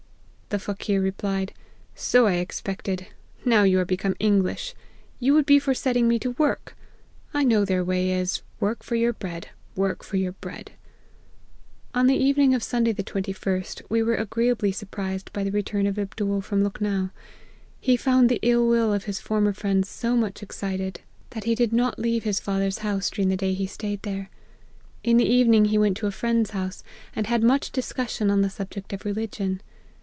" The Faqueer replied, So I expected ; now you are become English, you would be for setting me to work. I know their way is, work for your bread ! work for your bread !'" On the evening of Sunday the 21st, we were agreeably surprised by the return of Abdool from Lukhnow. He found the ill will of his former friends so much excited, that he did not leave his 220 APPENDIX. father's house, during the day he staid there. In the evening he went to a friend's house, and had much discussion on the subject of religion.